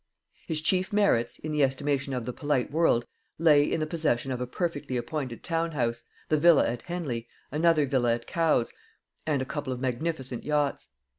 His chief merits in the estimation of the polite world lay in the possession of a perfectly appointed town house, the villa at Henley, another villa at Cowes, and a couple of magnificent yachts.